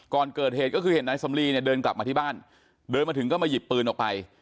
ก่อนเกิดเหตุก็คือเห็นนายสำลีเนี่ยเดินกลับมาที่บ้านเดินมาถึงก็มาหยิบปืนออกไป